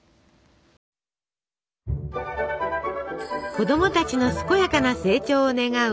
子供たちの健やかな成長を願う